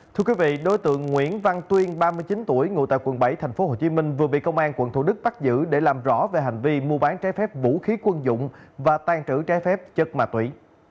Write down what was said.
thưa quý vị đối tượng nguyễn văn tuyên ba mươi chín tuổi ngụ tại quận bảy tp hcm vừa bị công an quận thủ đức bắt giữ để làm rõ về hành vi mua bán trái phép vũ khí quân dụng và tàn trữ trái phép chất ma túy